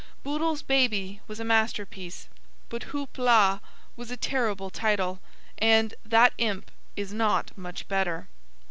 Bootle's Baby was a masterpiece, but Houp la was a terrible title, and That Imp is not much better.